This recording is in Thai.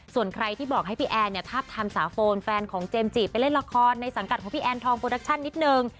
ส่วนใครที่บอกให้พี่แอนเนี่ยทาบทามสาวโฟนแฟนของเจมส์จีไปเล่นละครในสังกัดของพี่แอนทองโปรดักชั่นนิดนึง